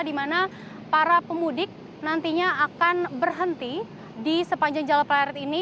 dimana para pemudik nantinya akan berhenti di sepanjang jalan pleret ini